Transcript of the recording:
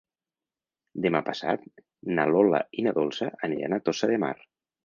Demà passat na Lola i na Dolça aniran a Tossa de Mar.